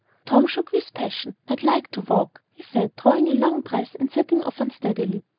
Tom shook with passion. "I'd like to walk," he said, drawing a long breath, and setting off unsteadily.